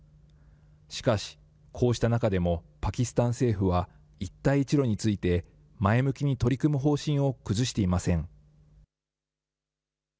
しかし、こうした中でも、パキスタン政府は、一帯一路について、前向きに取り組む方針を崩していません。